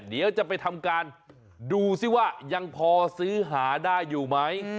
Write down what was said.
เดี๋ยวจะไปทำการดูสิว่ายังพอซื้อหาได้อยู่ไหม